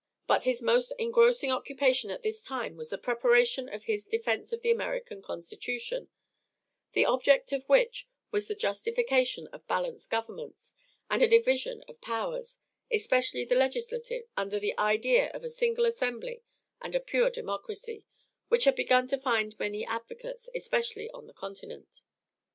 But his most engrossing occupation at this time was the preparation of his "Defence of the American Constitution," the object of which was the justification of balanced governments and a division of powers, especially the legislative, against the idea of a single assembly and a pure democracy, which had begun to find many advocates, especially on the continent.